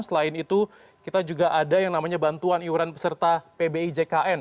selain itu kita juga ada yang namanya bantuan iuran peserta pbijkn